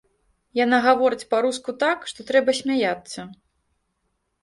Яна гаворыць па-руску так, што трэба смяяцца.